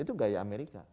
itu gaya amerika